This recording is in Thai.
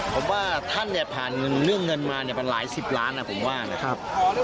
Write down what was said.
ผมว่าท่านเนื่องเงินมาเป็นหลายสิบล้านผมว่านะครับ